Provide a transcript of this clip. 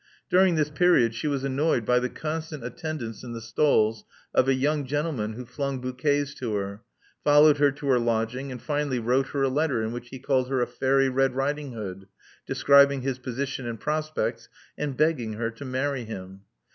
During this period, she was annoyed by the constant attendance in the stalls of a young gentleman who flung bouquets to her; followed her to her lodg ing; and finally wrote her a letter in which he called her a fairy Red Riding Hood, describing his position and prospects, and begging her to marry him.